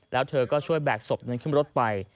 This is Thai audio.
แล้วเธอก็ช่วยแบกศพนั้นขึ้นรถไป